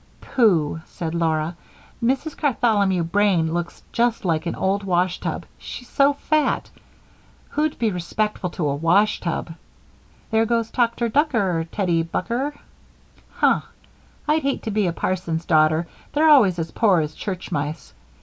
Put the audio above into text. "Pooh!" said Laura. "Mrs. Cartholomew Brane looks just like an old washtub, she's so fat who'd be respectful to a washtub? There goes Toctor Ducker, Tettie Bucker. Huh! I'd hate to be a parson's daughter they're always as poor as church mice.